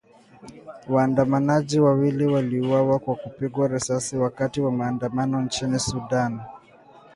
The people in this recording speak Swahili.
Waandamanaji wawili waliuawa kwa kupigwa risasi wakati wa maandamano nchini Sudan.